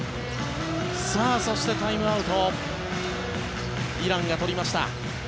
そして、タイムアウトイランが取りました。